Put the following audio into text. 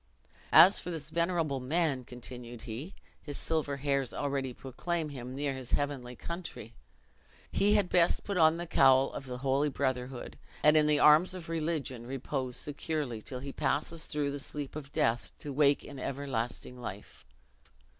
"As for this venerable man," continued he, "his silver hairs already proclaim him near his heavenly country! He had best put on the cowl of the holy brotherhood, and, in the arms of religion, repose securely, till he passes through the sleep of death to wake in everlasting life!"